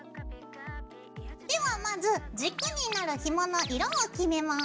ではまず軸になるひもの色を決めます。